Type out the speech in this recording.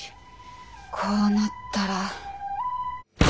こうなったら。